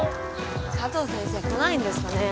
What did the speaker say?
佐藤先生来ないんですかねえ。